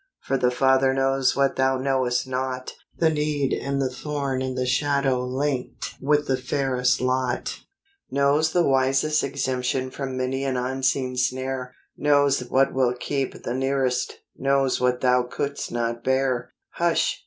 for the Father knows what thou knowest not, The need and the thorn and the shadow linked with the fairest lot; Knows the wisest exemption from many an unseen snare ; Knows what will keep the nearest, knows what thou couldst not bean Hush